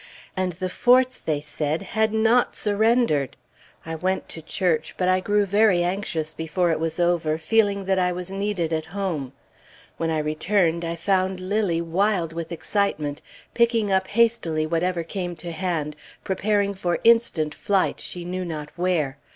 And the Forts, they said, had not surrendered. I went to church; but I grew very anxious before it was over, feeling that I was needed at home. When I returned, I found Lilly wild with excitement, picking up hastily whatever came to hand, preparing for instant flight, she knew not where.